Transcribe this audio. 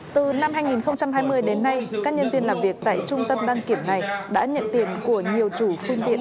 từ năm hai nghìn hai mươi đến nay các nhân viên làm việc tại trung tâm đăng kiểm này đã nhận tiền của nhiều chủ phương tiện